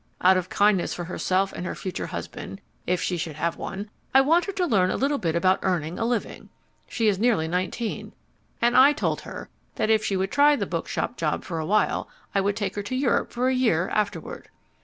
Out of kindness for herself and her future husband, if she should have one, I want her to learn a little about earning a living. She is nearly nineteen, and I told her if she would try the bookshop job for a while I would take her to Europe for a year afterward.